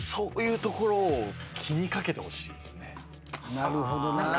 なるほどな。